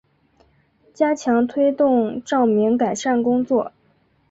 加强推动照明改善工作